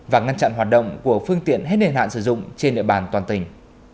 và ngăn chặn hoạt động của phương tiện hết niên hạn sử dụng trên địa bàn toàn tỉnh